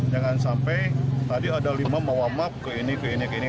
jangan sampai tadi ada lima mewamap ke ini ke ini ke ini